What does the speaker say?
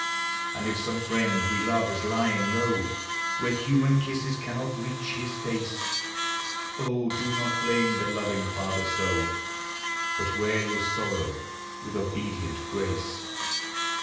And if some friend we love is lying low, Where human kisses cannot reach his face, Oh, do not blame the loving Father so, But wear your sorrow with obedient grace!